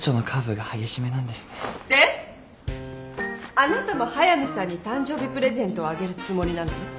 あなたも速見さんに誕生日プレゼントをあげるつもりなのね？